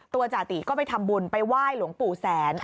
จติก็ไปทำบุญไปไหว้หลวงปู่แสน